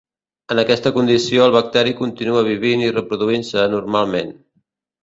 En aquesta condició el bacteri continua vivint i reproduint-se normalment.